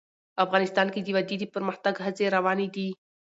افغانستان کې د وادي د پرمختګ هڅې روانې دي.